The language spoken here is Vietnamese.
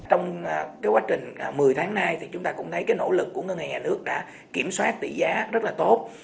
trong quá trình một mươi tháng nay thì chúng ta cũng thấy cái nỗ lực của ngân hàng nhà nước đã kiểm soát tỷ giá rất là tốt